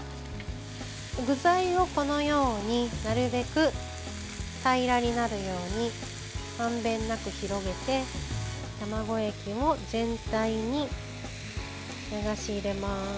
具材をこのようになるべく平らになるようにまんべんなく広げて卵液を全体に流し入れます。